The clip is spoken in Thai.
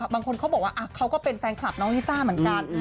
บางคนเขาบอกว่าเขาก็เป็นแฟนคลับน้องลิซ่าเหมือนกัน